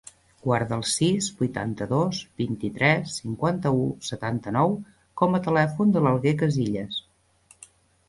Guarda el sis, vuitanta-dos, vint-i-tres, cinquanta-u, setanta-nou com a telèfon de l'Alguer Casillas.